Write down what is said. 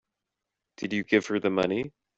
Did you give her the money?